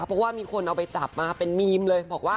เพราะว่ามีคนเอาไปจับมาเป็นเมมเลย